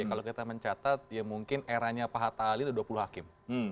kalau kita mencatat ya mungkin eranya pak hatta ali ada dua puluh hakim